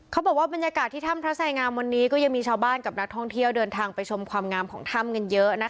เขาบอกว่าบรรยากาศที่ถ้ำพระสายงามวันนี้ก็ยังมีชาวบ้านกับนักท่องเที่ยวเดินทางไปชมความงามของถ้ำกันเยอะนะคะ